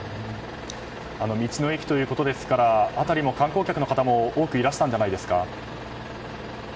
道の駅ということですから辺りも観光客の方も多くいらしたんじゃないですか。